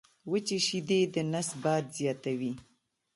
وچي شیدې د نس باد زیاتوي.